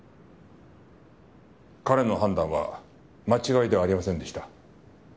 彼の判断は間違いではありませんでした。